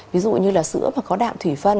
ví dụ như là sữa và có đạm thủy phân